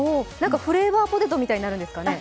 フレーバーポテトみたいになるんですかね？